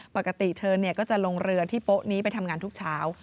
ปกติเธอก็จะลงเรือที่โป๊ะนี้ไปทำงานทุกเช้า